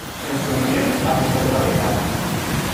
En su niñez, aprendió a tocar guitarra.